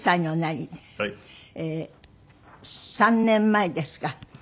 ３年前ですか。